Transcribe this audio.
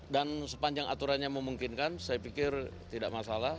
dan sepanjang aturannya memungkinkan saya pikir tidak masalah